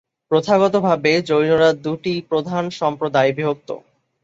প্রথাগতভাবে, জৈনরা দুটি প্রধান সম্প্রদায়ে বিভক্ত।